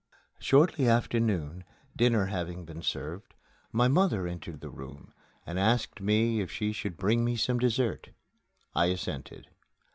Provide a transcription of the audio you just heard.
Shortly after noon, dinner having been served, my mother entered the room and asked me if she should bring me some dessert. I assented.